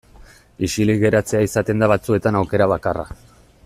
Isilik geratzea izaten da batzuetan aukera bakarra.